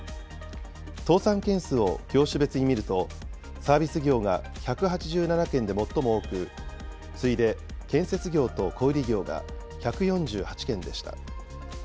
倒産件数を業種別に見ると、サービス業が１８７件で最も多く、次いで建設業と小売り業が１４８件でした。